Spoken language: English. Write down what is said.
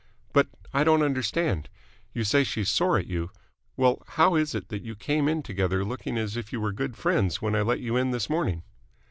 "But I don't understand. You say she's sore at you. Well, how is it that you came in together looking as if you were good friends when I let you in this morning?"